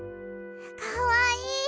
かわいい。